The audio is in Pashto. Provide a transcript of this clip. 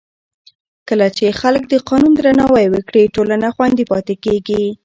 کله چې خلک د قانون درناوی وکړي، ټولنه خوندي پاتې کېږي.